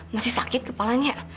masih sakit kepalanya